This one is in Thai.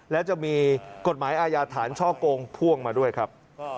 และจะมีกฎหมายอาญาฐานช่อกงพ่วงมาด้วยครับ